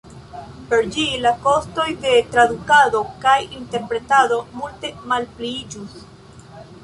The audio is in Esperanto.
Per ĝi, la kostoj de tradukado kaj interpretado multe malpliiĝus.